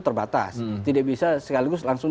terbatas tidak bisa sekaligus langsung